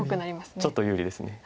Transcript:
ちょっと有利です。